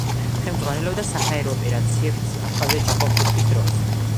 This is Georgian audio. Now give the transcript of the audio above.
ხელმძღვანელობდა საჰაერო ოპერაციებს აფხაზეთში კონფლიქტის დროს.